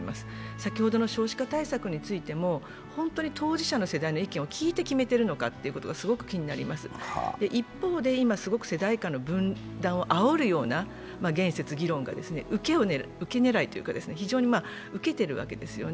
先ほどの少子化対策についても本当に当事者の意見を決めているのかすごく気になります、一方ですごく世代間の分断をあおるような言説、議論がウケ狙いというか、非常に受けてるわけですよね。